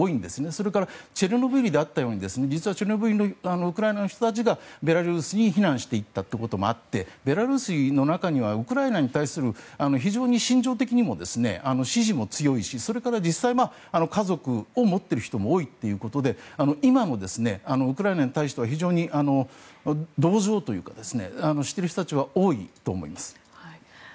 それからチョルノービリのことで実はウクライナの人たちがベラルーシに避難していったこともあってベラルーシの中にはウクライナに対する非常に心情的にも支持も強いしそれから実際、家族を持っている人も多いということで今もウクライナに対しては非常に同情している人たちは多いと思います。